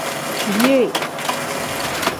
Biyee.